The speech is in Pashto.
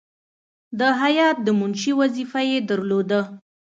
د هیات د منشي وظیفه یې درلوده.